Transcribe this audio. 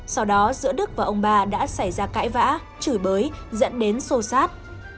sau đó giữa đức và ông ba đã xảy ra cãi vã chửi bới dẫn đến xô xát